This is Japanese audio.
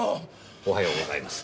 おはようございます。